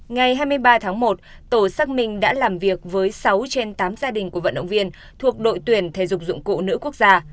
ngày hai mươi ba tháng một tổ xác minh đã làm việc với sáu trên tám gia đình của vận động viên thuộc đội tuyển thể dục dụng cụ nữ quốc gia